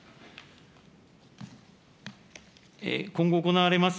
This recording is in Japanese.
今後行われます